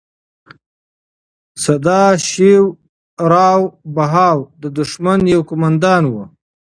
سداشیو راو بهاو د دښمن یو قوماندان و.